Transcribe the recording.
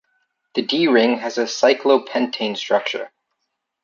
The D ring has a cyclopentane structure.